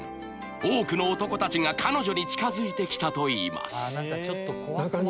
多くの男たちが彼女に近づいて来たといいます中に。